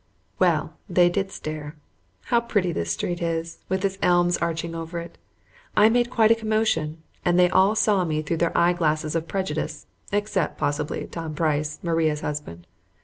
Well, they did stare. How pretty this street is, with the elms arching over it. I made quite a commotion, and they all saw me through their eyeglasses of prejudice, except, possibly, Tom Price, Maria's husband.